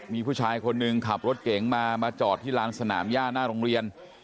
มีผู้ชายคนหนึ่งขับรถเก๋งมามาจอดที่ลานสนามย่าหน้าโรงเรียน